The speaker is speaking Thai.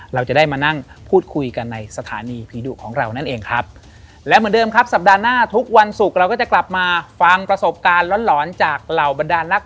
เราจะได้มานั่งพูดคุยกันในสถานีผีดุของเรานั่นเองครับ